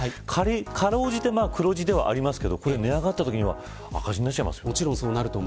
かろうじて、黒字ではありますが値上がったとき赤字になりますよね。